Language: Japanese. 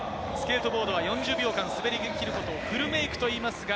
スケートボードは４０秒間滑りきることをフルメイクといいます。